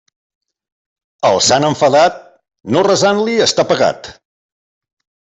Al sant enfadat, no resant-li està pagat.